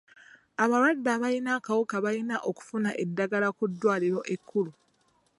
Abalwadde abalina akawuka balina okufuna eddagala ku ddwaliro ekkulu.